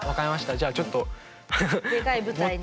じゃあちょっと、もっと。